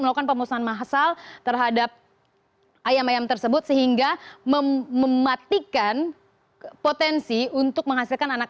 melakukan pemusnahan masal terhadap ayam ayam tersebut sehingga mematikan potensi untuk menghasilkan anak anak